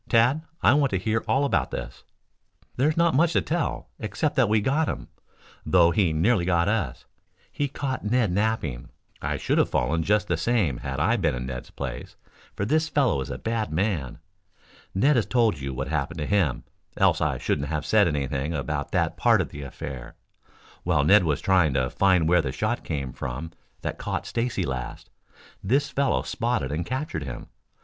Tad, I want to hear all about this." "There is not much to tell, except that we got him, though he nearly got us. He caught Ned napping. I should have fallen just the same had I been in Ned's place, for this fellow is a bad man. Ned has told you what happened to him, else I shouldn't have said anything about that part of the affair. While Ned was trying to find where the shot came from that caught Stacy last, this fellow spotted and captured him.